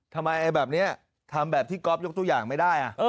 ทำไมแบบนี้ทำแบบที่ก๊อฟยกตัวอย่างไม่ได้